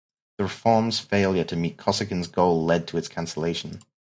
The reform's failure to meet Kosygin's goal led to its cancellation.